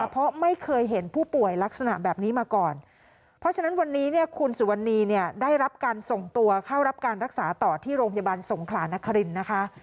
เพราะไม่เคยเห็นผู้ป่วยลักษณะแบบนี้มาก่อนเพราะฉะนั้นวันนี้เนี่ยคุณสุวรรณีเนี่ยได้รับการส่งตัวเข้ารับการรักษาต่อที่โรงพยาบาลสงขลานครินนะคะ